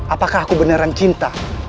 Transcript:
apakah aku beneran cinta